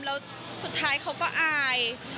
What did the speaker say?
แล้วสุดท้ายเขาก็อาย